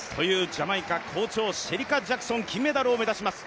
ジャマイカ好調、シェリカ・ジャクソン金メダルを目指します。